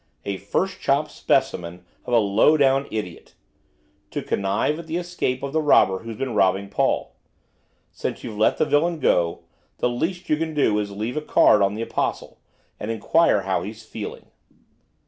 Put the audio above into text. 'A first chop specimen of a low down idiot, to connive at the escape of the robber who's been robbing Paul. Since you've let the villain go, the least you can do is to leave a card on the Apostle, and inquire how he's feeling.